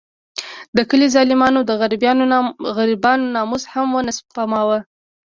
د کلي ظالمانو د غریبانو ناموس هم ونه سپماوه.